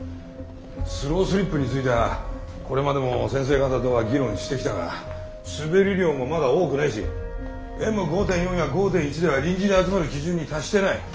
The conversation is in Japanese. スロースリップについてはこれまでも先生方とは議論してきたが滑り量もまだ多くないしＭ５．４や５．１では臨時で集まる基準に達してない。